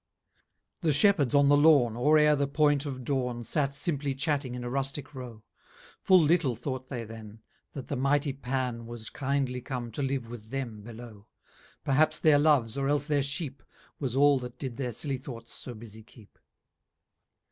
VIII The Shepherds on the Lawn, Or ere the point of dawn, Sate simply chatting in a rustic row; Full little thought they than, That the mighty Pan Was kindly com to live with them below; 90 Perhaps their loves, or els their sheep, Was all that did their silly thoughts so busie keep.